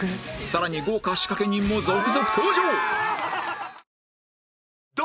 さらに豪華仕掛け人も続々登場！